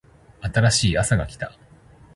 新しいあさが来た